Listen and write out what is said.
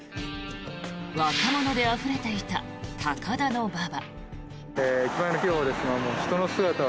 若者であふれていた高田馬場。